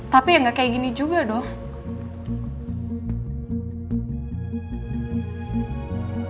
tapi ya nggak kayak gini juga dong